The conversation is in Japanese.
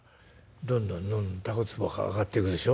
どんどんどんどんタコつぼが上がっていくでしょ？